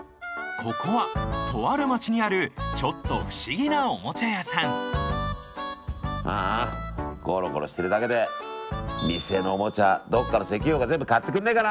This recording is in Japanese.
ここはとある町にあるちょっと不思議なおもちゃ屋さんああゴロゴロしてるだけで店のおもちゃどっかの石油王が全部買ってくんねえかな。